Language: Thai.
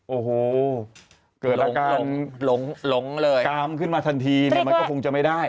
โอ้โหเกิดละการกลามขึ้นมาทันทีมันก็คงจะไม่ได้